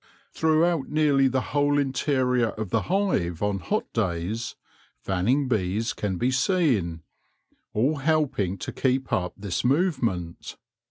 Through out nearly the whole interior of the hive on hot days fanning bees can be seen, all helping to keep up this movement.